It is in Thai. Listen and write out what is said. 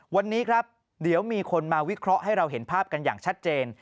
วันนี้ครับเดี๋ยวมีคนมาวิเคราะห์ให้เราเห็นภาพกันอย่างชัดเจน